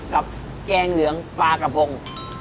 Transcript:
แกงเหลืองปลากระพง